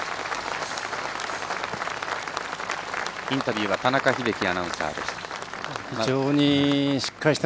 インタビューは田中秀樹アナウンサーでした。